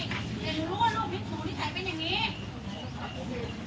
แต่หนูรู้ว่าลูกบิกษุนิสัยเป็นอย่างนี้